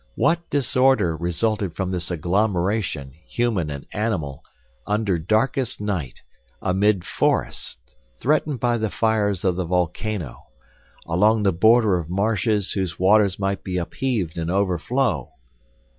What disorder resulted from this agglomeration, human and animal, under darkest night, amid forests, threatened by the fires of the volcano, along the border of marshes whose waters might be upheaved and overflow!